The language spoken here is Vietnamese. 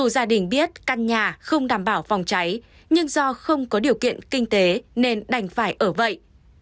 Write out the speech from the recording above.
gia đình biết căn nhà không đảm bảo phòng cháy nhưng do không có điều kiện kinh tế nên đành phải ở vậy